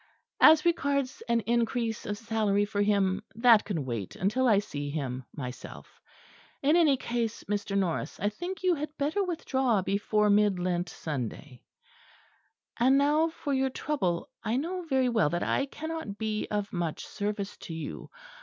As regards an increase of salary for him, that can wait until I see him myself. In any case, Mr. Norris, I think you had better withdraw before Mid Lent Sunday. "And now for your trouble. I know very well that I cannot be of much service to you.